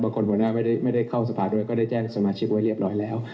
คนหัวหน้าไม่ได้เข้าสภาด้วยก็ได้แจ้งสมาชิกไว้เรียบร้อยแล้ว